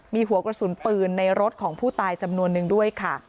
มีหัวกระสุนปืนในรถของผู้ตายจำนวนนึงด้วยค่ะ